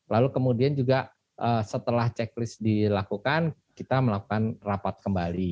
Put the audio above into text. lalu kemudian juga setelah checklist dilakukan kita melakukan rapat kembali